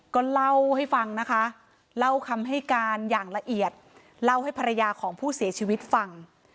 ก็เล่าให้ฟังนะคะเล่าคำให้การอย่างละเอียดเล่าให้ภรรยาของผู้เสียชีวิตฟัง